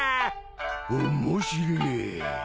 面白え。